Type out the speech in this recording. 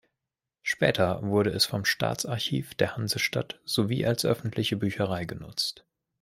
Später wurde es vom Staatsarchiv der Hansestadt sowie als öffentliche Bücherei genutzt.